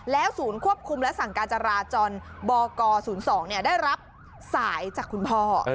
ศูนย์ควบคุมและสั่งการจราจรบก๐๒ได้รับสายจากคุณพ่อ